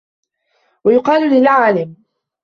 وَيُقَالُ لِلْعَالِمِ